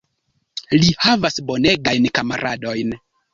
Li havas bonegajn kamaradojn.